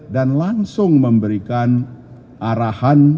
dan langsung memberikan arahan